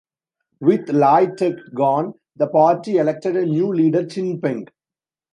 With Lai Teck gone, the party elected a new leader, Chin Peng.